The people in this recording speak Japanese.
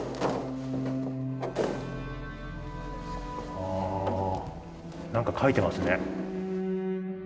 あ何か書いてますね。